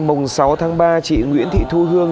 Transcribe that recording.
trước đó vào sáng ngày sáu tháng ba chị nguyễn thị thu hương